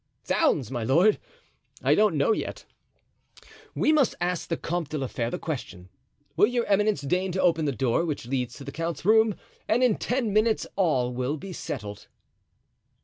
"Zounds, my lord, I don't know yet. We must ask the Comte de la Fere the question. Will your eminence deign to open the door which leads to the count's room, and in ten minutes all will be settled."